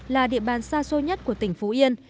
là địa bàn xa xôi nhất của tỉnh phú yên